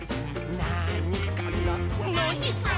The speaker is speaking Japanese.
「なにかな？」